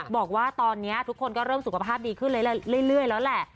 บอกว่าตอนนี้ทุกคนก็เริ่มสุขภาพดีขึ้นเรื่อยแล้วแหละ